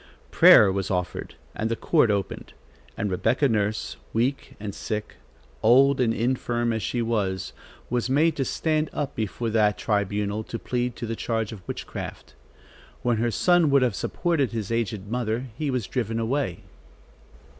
Prayer was offered, and the court opened, and Rebecca Nurse, weak and sick, old and infirm as she was, was made to stand up before that tribunal to plead to the charge of witchcraft. When her son would have supported his aged mother, he was driven away.